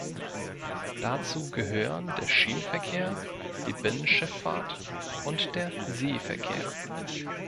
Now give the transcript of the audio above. Dazu gehören der Schienenverkehr, die Binnenschiffahrt und der Seeverkehr.